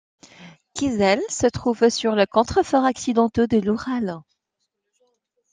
Kizel se trouve sur les contreforts occidentaux de l'Oural.